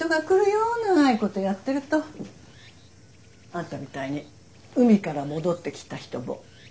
あんたみたいに海から戻ってきた人も初めてじゃないよ。